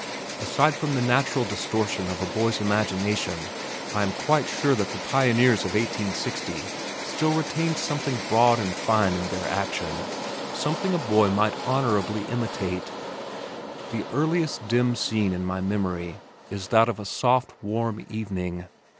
Aside from the natural distortion of a boy's imagination I am quite sure that the pioneers of 1860 still retained something broad and fine in their action, something a boy might honorably imitate. The earliest dim scene in my memory is that of a soft warm evening.